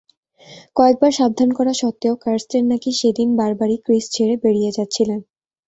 কয়েকবার সাবধান করা সত্ত্বেও কারস্টেন নাকি সেদিন বারবারই ক্রিজ ছেড়ে বেরিয়ে যাচ্ছিলেন।